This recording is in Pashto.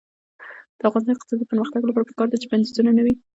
د افغانستان د اقتصادي پرمختګ لپاره پکار ده چې بندیزونه نه وي.